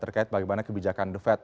terkait bagaimana kebijakan the fed